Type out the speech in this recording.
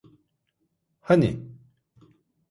Hani?